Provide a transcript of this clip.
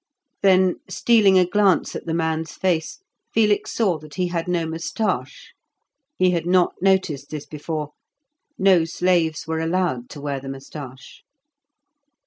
Then, stealing a glance at the man's face, Felix saw that he had no moustache; he had not noticed this before. No slaves were allowed to wear the moustache.